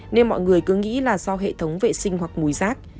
nên mọi người cứ nghĩ là do hệ thống vệ sinh hoặc mùi rác